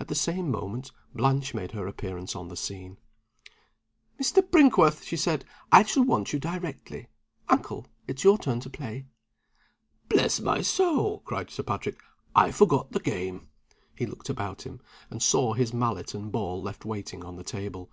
At the same moment Blanche made her appearance on the scene. "Mr. Brinkworth," she said, "I shall want you directly. Uncle, it's your turn to play." "Bless my soul!" cried Sir Patrick, "I forgot the game." He looked about him, and saw his mallet and ball left waiting on the table.